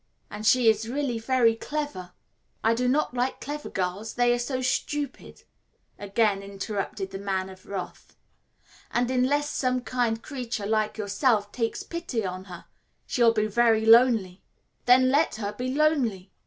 and she is really very clever " "I do not like clever girls, they are so stupid," again interrupted the Man of Wrath. " and unless some kind creature like yourself takes pity on her she will be very lonely." "Then let her be lonely."